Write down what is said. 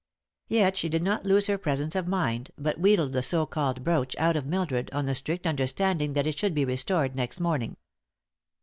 Yet she did not lose her presence of mind, but wheedled the so called brooch out of Mildred on the strict understanding that it should be restored next morning.